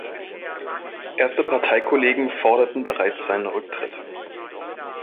Erste Parteikollegen forderten bereits seinen Rücktritt.